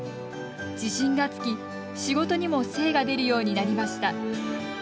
自信がつき、仕事にも精が出るようになりました。